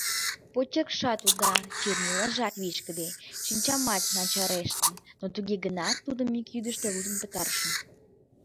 — Почеркшат уда, чернилажат вишкыде, шинчамат начарештын, но туге гынат, тудым ик йӱдыштӧ лудын пытарышым!